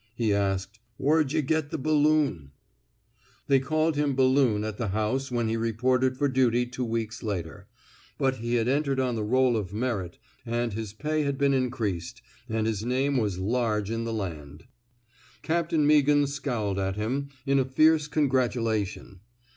He asked: Whur'd yuh get the balloont " They called him Balloon '' at the house when he reported for duty two weeks later, but he had been entered on the EoU of Merit, and his pay had been increased, and his name was large in the land. Captain Meaghan scowled at him, in a fierce congratulation.